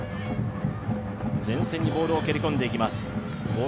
前線にボールを蹴り込んでいきます。